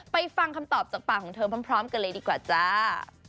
ฟังคำตอบจากปากของเธอพร้อมกันเลยดีกว่าจ้า